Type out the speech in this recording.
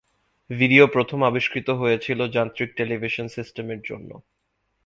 Video প্রথম আবিষ্কৃত হয়েছিল যান্ত্রিক টেলিভিশন সিস্টেমের জন্য।